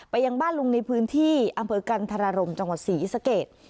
ไปยังบ้านลุงในพื้นที่กันทรรโรมชศรีสะเขต